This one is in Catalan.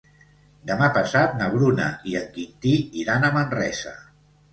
Demà passat na Bruna i en Quintí iran a Manresa.